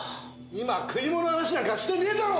今食い物の話なんかしてねぇだろ！